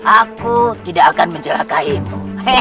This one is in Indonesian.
aku tidak akan mencelakainu